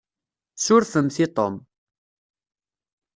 Surfemt i Tom.